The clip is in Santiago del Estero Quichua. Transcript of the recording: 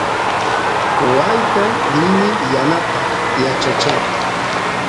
waayta rini yanapaq yachacheq